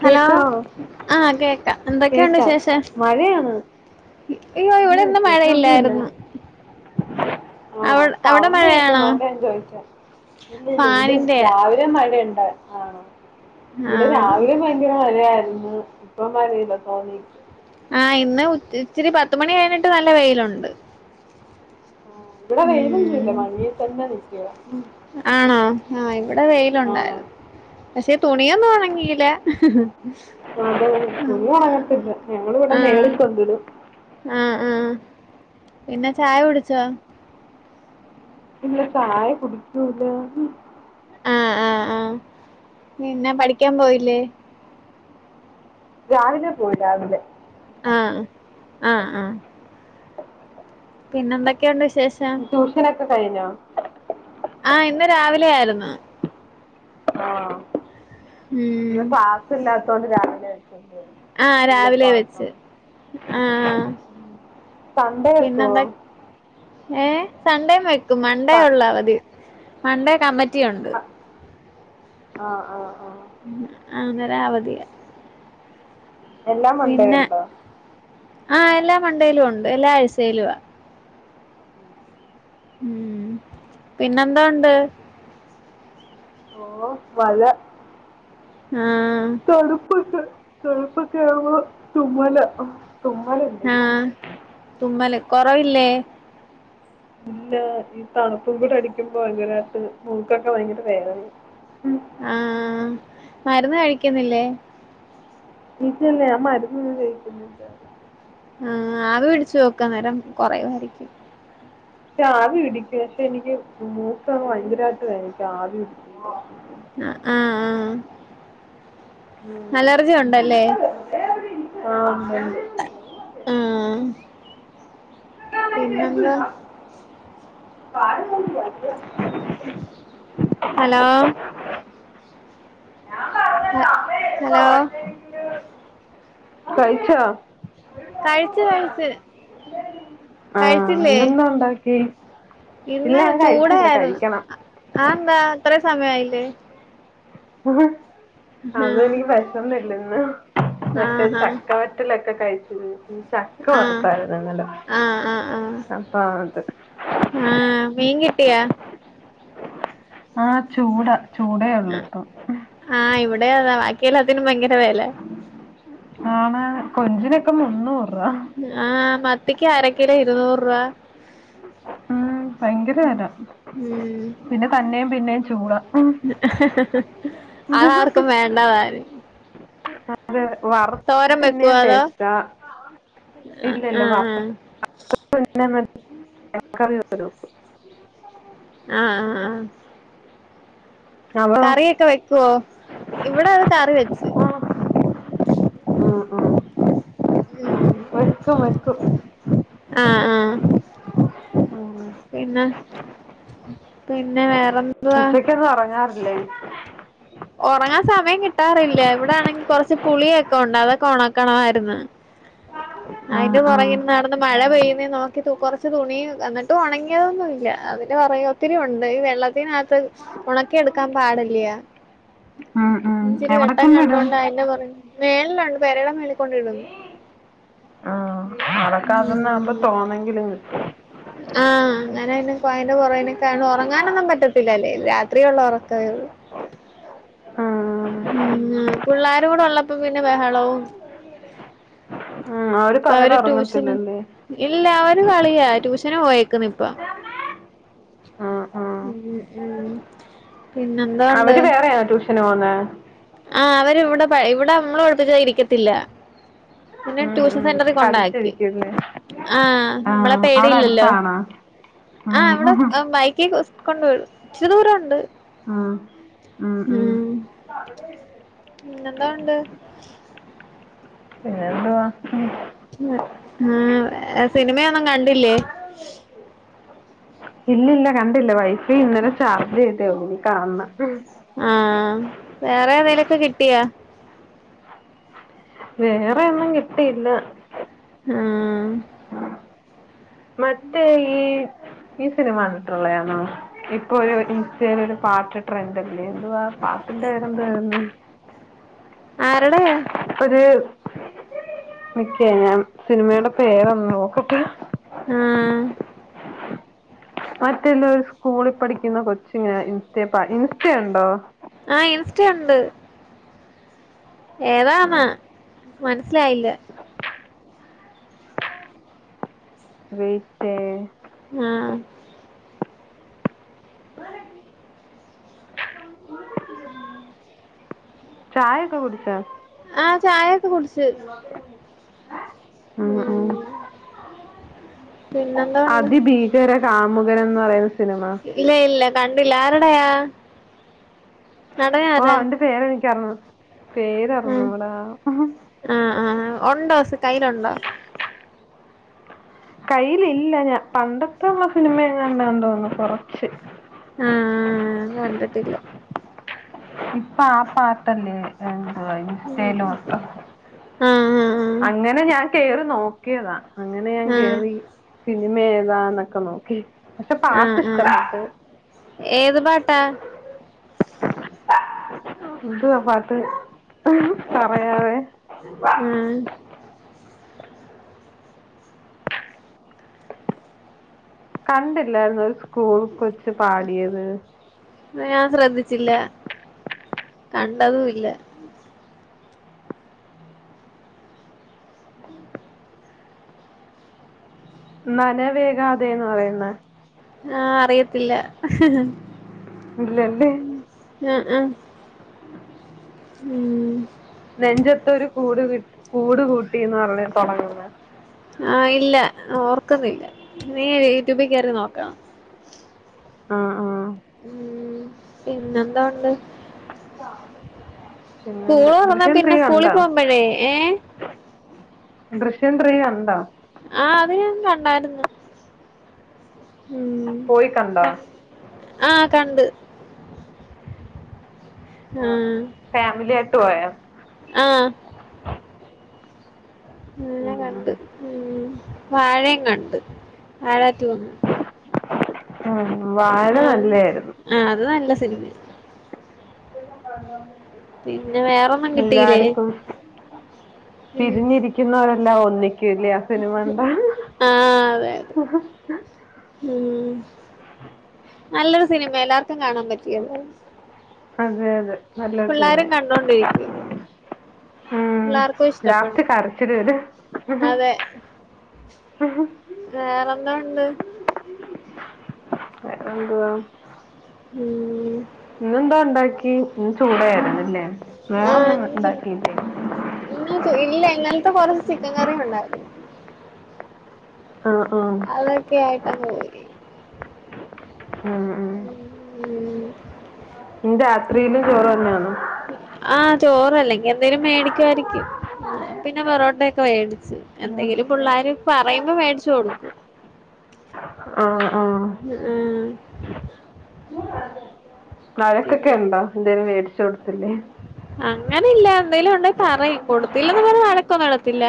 Hello കേക്കാവോ ആ കേക്കാ എന്തൊക്കെയുണ്ട് കേക്കാൻ വിശേഷം മഴയാണ് അയ്യോ ഇല്ല ഇവിടെ ഇന്ന് വിശേഷോന്നുല്ല മഴയില്ലായിരുന്നു അവ ആ അവിടെ മഴയാണോ സൗണ്ടേക്കുന്നോണ്ട ഞാൻ ചോദിച്ച ഇല്ല ഇല്ല ഇവിടെ ഫാനിന്റെയാ രാവിലെ മഴയുണ്ടാ ആഹ് ആ ഇവിടെ രാവിലെ ഭയങ്കര മഴയായിരുന്നു എന്ന് ഇപ്പൊ അറിയില്ല തോന്നിക്ക് ആ ഇന്ന് ഇച്ചിരി പത്തുമണി കഴിഞ്ഞിട്ട് നല്ല വെയിലുണ്ട് ആ ഇവിടെ വെയിലൊന്നും ഇല്ല ഉം മഴയിൽ തന്നെ നിൽക്ക ആണോ ആ ഇവിടെ ആ വെയിലുണ്ടായിരുന്നു പക്ഷേ തുണിയൊന്നും ഉണങ്ങില്ല അതെ ആഹ തുണി ഉണങ്ങത്തില്ല ഞങ്ങൾ ഇവിടെ മേളിൽ കൊണ്ടിടും ആഹ ആഹ പിന്നെ ചായ കുടിച്ചാ ഇല്ല ചായ കുടിക്കൂല ആഹ് ആഹ് ആഹന്നെ പഠിക്കാൻ പോയില്ലേ രാവിലെ പോയി രാവിലെ ആഹ ആഹ ആഹ പിന്നെന്തൊക്കെയൊണ്ട് ശ് ട്യൂഷനൊക്കെ കഴിഞ്ഞോ ആ ഇന്ന് രാവിലെ ആയിരുന്നു ആഹ് ന്ന് ഉം ക്ലാസില്ലാ അതോണ്ട് രാവിലെ ന്റെ ആ രാവിലെ വെച്ച് കുളിപ്പാട്ടം ആ സണ്ടയക്കോ സൺഡേ മ മണ്ടേ ഒള്ള വതി മണ്ട കമ്പ ത്തിയ ഉണ്ട് ആഹ് ആഹ് ആ അന്നേര അവധിയ എല്ലാംമൻടെയും ഉണ്ട്ണ്ടോ ആഹ് എല്ലാ മണ്ടയിലും ഉണ്ട് എല്ലാ ആഴ്ചയിലും ആ ഉം പിന്നെന്താ ഉണ്ട് ഓ മഴ. ആ തണുപ്പൊണ്ട്. തണുപ്പ് കേറുമ്പോ തുമ്മലാ ആ തുമ്മല് കൊറവില്ലേ? ഇല്ല, ഈ തണുപ്പും കൂടെ അടിക്കുമ്പോ ഭയങ്കരായിട്ട് മൂക്കൊക്കെ ഭയങ്കര വേദനയാ ആ മരുന്ന് കഴിക്കുന്നില്ലേ? ഇല്ലില്ല ഞാൻ മരുന്നൊന്നും കഴിക്കുന്നില്ല. ആ ആവി പിടിച്ചു നോക്ക് അന്നേരം കൊറയുവാരിക്കും. ക്ഷെ ആവി പിടിക്കാക്ഷെ എനിക്ക് മൂക്കങ്ങ് ഭയങ്കരായിട്ട് വേനിക്കും ആവി പിടിക്കുമ്പോ. ആഹ് ആഹ് അലർജി ഉം ഉണ്ടല്ലേ ആ ഒണ്ട് ആഹ് ഒണ്ട് പിന്നെന്താ? [unintelligible] ഹലോ ഹ ഹലോ കഴിച്ചോ? കഴിച്ചു കഴിച്ചു, ആ കഴിച്ചില്ലേ? ഇന്നെന്താ ഉണ്ടാക്കി ഇല്ല ഇന്ന് ഞാൻ കഴിച്ചില്ല ചൂടാരുന്നു. കഴിക്കണം അഎന്താ ഇത്രേ സ സമയായില്ലേ? ആഹാ ആഹ് അതെനിക്ക് വെശന്നില്ല ആഹ്‌ മറ്റേ ആഹ് ചക്കവറ്റലൊക്കെ കഴി [unintelligible] ചക്ക ആഹ് വറുത്താരുന്നിന്നലെ ആഹ് ആഹ് ആഹ് ആഹ് അപ്പ അത്. ആഹ് മീൻ കിട്ടിയാ ആ ചൂട. ചൂടേ ഉള്ളു ഇപ്പം ആ ഇവിടേ അതെ, ബാക്കിയെല്ലാത്തിനും ഭയങ്കര ര വെല. ആണ്‌ കൊഞ്ചിനൊക്കെ മുന്നൂ ആ മത്തിക്ക് അരക്കിലോ ഇരുന്നൂറ് രൂവ ഉം ഭയങ്കര [unintelligible] പിന്നെ തന്നെയും പിന്നെയും ചൂടാ [unintelligible] അത് ആർക്കും വേണ്ടതാനും [unintelligible] വറുത്ത തോരം പിന്നേ വെക്കുവോ അതോ ടേസ്റ്റ ആഹ് ഇല്ലാലോ ആഹ് [unintelligible] [unintelligible] ആഹ് ആഹ് ആഹ് അവളോ കറിയൊക്കെ വെക്കുവോ ഇവിട അത് കറി വെച്ച് ഉം, [inaudible] ഉം വെക്കും വെക്കും ആഹ് ആഹ് ഉം. പിന്നെ പിന്നെ വേറെ എ ഉച്ചക്കൊന്നും ഒറങ്ങാറില്ലേ? ഒറങ്ങാൻ സമയം കിട്ടാറില്ല, ഇവിടാണെങ്കി കൊറച്ച് പുളിയൊക്കെ ഒണ്ട് അതൊക്കെ ഉണക്കണമായിരുന്നു. ആ അയ്ന്റെ ആ പുറകിന്ന് നടന്ന് മഴ പെയ്യുന്നേ നോക്കി തു കൊറച്ച് തുണി എന്നിട്ട് ഒണങ്ങിയതൊന്നും ഇല്ല, അതിന്റെ പ പൊറകെ ഒത്തിരി ഒണ്ട് ഈ വെള്ളത്തിനാത് ത് ഒണക്കി എടുക്കാൻ പാടല്ലയാ ഉം ഉം ഇച്ചിരി എവിടെ വെട്ടം കൊണ്ടിടും കണ്ടോണ്ട് അതിന്റെ പൊറക് മേളിലൊണ്ട്, പേരടെ മേളിൽ കൊണ്ടിടുന്നു. ആ അടക്കാതന്ന ആകുമ്പ തോന്നെങ്കിലും കിട്ടും. ആഹ് അങ്ങനയോണ്ട് കോയന്റെ [unintelligible] ഒറങ്ങാനൊന്നും പറ്റത്തില്ലല്ലേ രാ ത്രിയിൽ ഒള്ള ഒറക്കവേ ഒള്ളു. ഉം. [unintelligible] പിള്ളാ രുടെ ഒള്ളപ്പോ പിന്നെ ബഹളവും ഉം ഇപ്പ പകല് അവര് ട്യൂഷന് ഉറങ്ങത്തില്ലല്ലേ ഇല്ല അവര് കളിയാ ട്യൂഷന് പോയേക്കുന്നു ഇപ്പ. ഉം ഉം പിന്നെന്തോണ്ട് അവര് വേറെയാ ട്യൂഷന് പോകുന്നേ. [unintelligible] ഇവട മ്മള് പഠിപ്പിച്ച ഇരിക്കത്തില്ല. പിന്നെ ഉം ട്യൂഷൻ ട്യൂഷൻ ഉം സെന്ററി കൊണ്ടാക്കി. കളിച്ചിരിക്കുംല്ലേ ആ നമ്മളെ ആഹ് അവിടെ പേടില്ലല്ലോ അടുത്താണോ ആ ഇവടെ ആഹ് ബൈക്ക് കൊ കൊണ്ടുവരും ഇച്ചിരി ദൂരം ഉണ്ട്. ആ ഉം പിന്നെ എന്തോണ്ട്? പിന്നെ എന്തുവാ മ് ആ സിനിമയൊന്നും കണ്ടില്ലേ? ഇല്ലില്ല കണ്ടില്ല വൈ ഫൈ ഇന്നെല ചാർജ് [unintelligible] ട്ടെള്ളു ഇനി കാണണം ആ വേറെ ഏതേലൊക്കെ കിട്ടിയൊ? വേറെ ഒന്നും കിട്ടിയില്ല. ഹാ മറ്റേ ഈ ഈ സിനിമ കണ്ട്ട്ടുള്ളയാണോ? ഇപ്പൊ ഒരു ഇൻസ്റ്റേൽ ഒരു പാട്ട് ട്രെൻഡല്ലേ എന്തുവ പാട്ടിന്റെ പേരെന്തുവാര്ന്ന്? ആരുടെയാ ഒര് നിക്കേ ഞാൻ സിനിമേടെ പേരൊന്ന് നോക്കട്ടെ ആഹ് മറ്റെന്തുവാ ഒരു സ്കൂളിൽ പഠിക്കുന്ന കൊച്ചിങ്ങനെ ഇൻസ്റ്റയെ പാടി ഇൻസ്റ്റാ ഉണ്ടോ? ആഹ് ഇൻസ്റ്റ ഉണ്ട് ഏതാനാ മന സിലായില്ല വെയ്റ്റെ ആഹ് ചായയൊക്കെ കുടിച്ചോ? ആഹ് ചായൊക്ക കുടിച് ഉം ഉം പിന്നെന്താ ഉണ്ട് അതിഭീകര കാമു ഇവര് എന്ന് പറയുന്നെ ഇല്ല ഇല്ല കണ്ടില്ല ആരാടെയാ ഓ ഓന്റെ പേര് എ [unintelligible] പേര് അറിഞ്ഞൂട ആ ഒണ്ടോ സ് കയ്യിലൊണ്ടോ? കയ്യിലില്ല ഞാ പണ്ടത്തെ ഒള്ള സിനിമ എങ്ങാണ്ടാന്ന് തോന്നുന്ന് കൊറച്ച് ആഹ് കണ്ടിട്ടില്ല ഇപ്പൊ ആ പാട്ടല്ലേ ഏഹ് [unintelligible] ഇൻസ്റ്റേല് മൊത്തം ആഹ് ആഹ് ആഹ് അങ്ങനെ ഞാൻ കേ കേറി നോക്കിയതാ അങ്ങനെ ഞാൻ ആഹ് കേറി സിനിമേ ഏതാന്നൊക്കെ നോക്കി പക്ഷെ ആഹ് പാട്ട് ആഹ് ഇഷ്ടപ്പെട്ടു ഏത് പാട്ടാ? ന്തുവാ പാട്ട് പറയാതെ ആ കണ്ടില്ലാരുന്നൊരു സ്കൂൾ കൊച്ച് പാടിയത് ഞാൻ ശ്രദ്ധിച്ചില്ല കണ്ടതുവില്ല നനവേകാതേന്ന് പറയുന്ന ആ അറിയത്തില്ല ഇല്ലല്ലേ ആ ആ മ് നെഞ്ചത്തൊരു കൂട് കി കൂടു കൂട്ടിന്ന്റഞ്ഞ തൊടങ്ങുന്നെ ആ ഇല്ല ഓർക്ക്ന്നില്ല നീ യൂട്യൂബി കേറി നോക്കാം ആ ആ മ് പിന്നെന്താ ഒണ്ട് [inaudible] പിന്നെണ്ട് സ്കൂളൊറന്നാ ദൃശ്യം ത്രീ പിന്നെ സ്കൂളീ പോമ്പഴേ ഏ ദ്യശ്യം ത്രീ കണ്ടാ ആ അത് ഞാൻ കണ്ടായിരുന്നു പോയി കണ്ടോ മ്മ് ആ കണ്ട് ആ ആ ഫാമിലിയായ്ട്ട് പോയാ ആ ഞാൻ കണ്ട് ഉം വാഴേം കണ്ട് വാഴാറ്റു വന്നു ഉം ആ ആ അത് നല്ല സി നിമയാ വേറൊന്നും കിട്ടിയില്ലേ എല്ലാടിക്കും തിരിഞ്ഞിരിക്കുന്നാൾ ണ്ടാവോന്നി ആഹ് അതെ അതെ ഉം നല്ലൊരു സിനിമ എല്ലാർക്കും കാണാൻ പറ്റിയതാ അതെ അതെ നല്ല പിള്ളാരും സിനിമ കണ്ടോണ്ടിരിക്കും ഉം. പിള്ളാർക്കും ലാസ്റ്റ് ഇഷ്ടപ്പെടും കരച്ചില് വരും. അതെ വേറെന്താ ഉണ്ട് വേറെ എന്തുവാ മ് ഇന്നെന്താ ഉണ്ടാക്കി ഇന്ന് ചൂടായിരുന്നല്ലേ ആ വേറൊന്നും [unintelligible] ഇണ്ടാക്കിയില്ലേ? ഇന്നല് ഇല്ല ഇന്നൽത്തെ കൊറച്ച് ചിക്കൻ കറി ഉണ്ടായിരുന്നു ആഹ് ആഹ്. അതൊക്കെയായിട്ടങ്ങ് പോയി ഉം ഉം ഉം ഇനി രാത്രിയിലും ചോറ് തന്നെയാണോ ചോറല്ലെങ്കി എന്തേലും മേടിക്കുമായിരിക്കും പിന്നെ പൊറോട്ട ഒക്കെ വേടി എന്തെങ്കിലും പിള്ളോര് പറയുമ്പോ മേടിച്ചു കൊടുക്കും ആഹ് ആഹ്. വഴക്കൊക്കെ പിന്നെ ഉണ്ടോ എന്തേലും മേടിച്ച കൊടുത്തില്ലേ അങ്ങനെ ഇല്ല എന്തേലും ഉണ്ടങ്കിൽ പറയും കൊടുത്തില്ലന്ന് പറഞ്ഞ് വഴക്ക് പറയത്തില്ല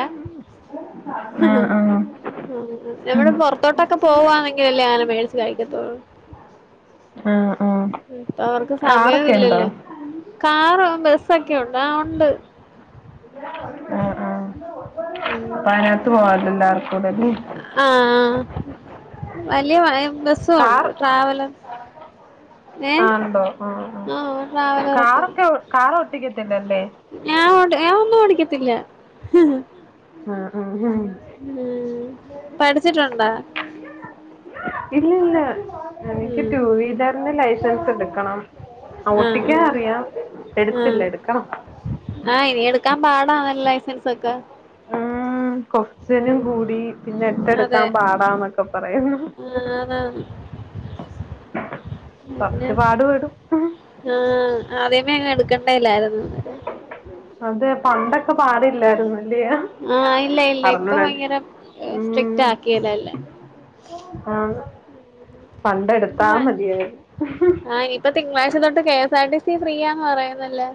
ആഹ് ആഹ്. നമ്മൾ പൊറത്തോട്ടൊക്കെ പോവാന്നെങ്കിലല്ലേ അങ്ങനെ മേടിച് കഴിക്കത്തോള്ളൂ ആഹ് ആഹ്. ഇപ്പ അവർക്ക് കാറോ? സമയവും ഇല്ലല്ലോ ക കാറും ബസ്സൊക്കെണ്ട് ആ ഉണ്ട് പുറത്ത് പോകല്ലായിരുന്നു [unintelligible] ആ ആ വലിയ [unintelligible] ബസും ഉണ്ട് ട്രാവലർ ഏഹ് ആണ്ടോ ആ ആ ആഹ് ട്രാവലറൊക്കെ കാറൊക്കെ കാർ ഓട്ടിക്കത്തി ഞാൻ ഓടെ ഞാൻ ഒന്നും ഓടിക്കത്തില്ല ഹ് ഹ് ആ ആ ഉം പഠിച്ചിട്ടുണ്ടാ ഇല്ല ഇല്ല എനിക്ക് ഉം ടു വീലറിന്റെ ലൈസൻസ് എടുക്കണം ആഹ് ഓട്ടിക്കാൻ ആഹ് അറിയാം എടുത്തില്ല എടുക്കണം ക്കാൻ പാടാ നല്ല ലൈസൻസ് ഒക്കെ ഊമ് ക്വസ്റ്റ്യനും കൂടി പിന്നെ എട്ടെടുക്കാൻ അതെ പാടാന്നൊക്കെ പറയുന്ന് ആഹ് അതാണ് പിന്നെ കൊറച്ചു പാട് പെടും- ആഹ് ആദ്യമേ അങ് എടുക്കണ്ടേല്ലാരുന്നോ [unintelligible] അതെ പണ്ടൊക്കെ പാടില്ലാര്ന്ന് ആ ഇല്ല ഇല്ല ഇപ്പൊ ഭയങ്കര ഉം സ്ട്രിക്റ്റ് ആക്കിയതല്ലേ- ആ പണ്ടെടുത്താ ഇല്ല മതിയായിരുന്നു ആ ഇനിയിപ്പം തിങ്കളാഴ്ച തൊട്ട് K S R T free ആന്ന് പറയുന്നല്ലേ-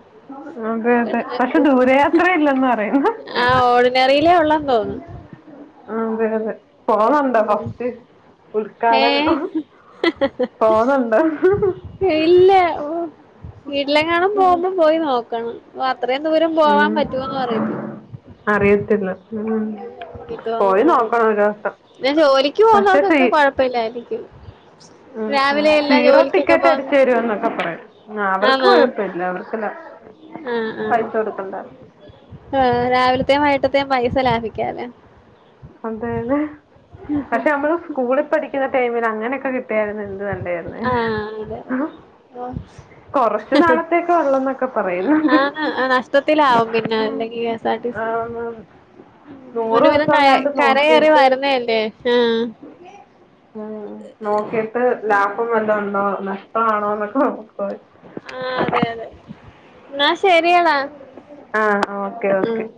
അതെ അതെ പക്ഷെ ദൂരയാത്ര ഇല്ലന്ന് പറയന്ന്- ആ ഓർഡിനറിയിലേ [unintelligible] ആ അതെ അതെ പോന്നുണ്ടോ ഫസ്റ്റ് ഏ ഉദ്ഘാടനം പോന്നുണ്ടോ ഇല്ല ഓ വീട്ടിലെങ്ങാണം പോകുമ്പോം പോയി നോക്കണം അത്രയും ദൂരം പോവാൻ ഉം. പറ്റുവൊന്ന് അറിയത്തില്ല ആ, ഉം. കിട്ടുമോന്നൊന്നും അറിയത്തി മൊത്തം. പിന്നെ ജോലിക്ക് പോന്നവർക്കൊക്കെ കൊഴപ്പല്ലായിരിക്കും- ഉം സീറോ ജോലിക്കൊക്കെ ടിക്കറ്റ് എട്ത്ത് പോന്ന തരോന്നൊക്കെ പറയുന്നു അവർക്ക് ആന്നോ കൊഴപ്പമില്ല അവർക്ക് ആ ആ പൈസ കൊടുക്കണ്ട ആ രാവിലത്തെയും വൈകിട്ടത്തേയും പൈസ ലാഭിക്കാലൊ അതായത് പക്ഷെ നമ്മള് സ്കൂളിൽ പഠി ക്ക്ന്ന ടൈമിൽ അങ്ങനെയൊക്കെ കി ട്ടായായിരുന്നേൽ എന്ത് നല്ലേര്ന്നേ ആ അതെ അതെ ഓ കൊറച്ച് നാളത്തേക്ക ഉള്ളന്നൊക്കെ പറയുന്ന്ണ്ട് ആന്ന് നഷ്ടത്തിലാവും പിന്നെ അല്ലെങ്കിൽ കെ എസ് ആർ ടി ആ സി ആന്ന് നൂറ് ദിവസെങ്ങാ കര കേറി വരുന്നേല്ലേ- ആഹ് ഉം നോക്കിട്ട്- ലാഭം വല്ല ഒണ്ടോ നഷ്ടമാണോ എന്നൊക്കെ നോ ആ അതെ അതെ ന്നാ ആ അ ഓക്കെ ഓക്കെ ഉം